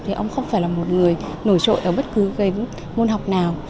thì ông không phải là một người nổi trội ở bất cứ cái môn học nào